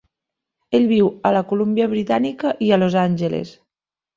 Ell viu a la Colúmbia Britànica i a Los Angeles.